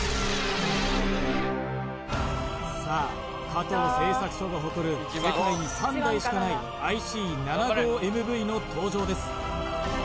さあ加藤製作所が誇る世界に３台しかないＩＣ７５ＭＶの登場です